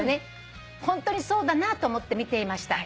「ホントにそうだなと思って見ていました」